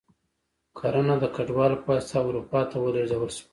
کرنه د کډوالو په واسطه اروپا ته ولېږدول شوه.